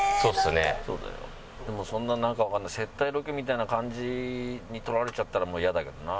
でもそんななんかわかんない接待ロケみたいな感じに取られちゃったらイヤだけどな。